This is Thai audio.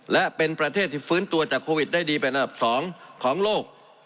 และเป็นประเทศที่ฟื้นตัวจากโควิดได้ดีเป็นอันดับ๒ของโลก